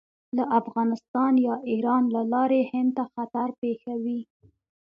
له افغانستان یا ایران له لارې هند ته خطر پېښوي.